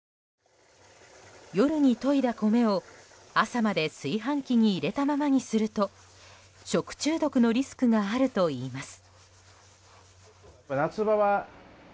夜に研いだ米を、朝まで炊飯器に入れたままにすると食中毒のリスクがあるといいます。